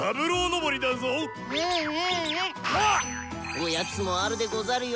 おやつもあるでござるよ。